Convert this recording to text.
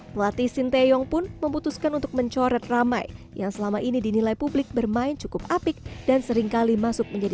pelatih sinteyong pun memutuskan untuk mencoret ramai yang selama ini dinilai publik bermain cukup apik dan seringkali masuk menjadi